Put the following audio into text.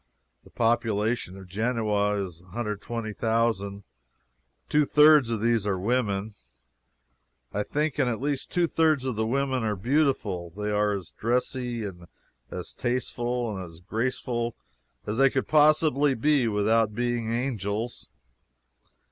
The population of Genoa is 120,000; two thirds of these are women, I think, and at least two thirds of the women are beautiful. They are as dressy and as tasteful and as graceful as they could possibly be without being angels.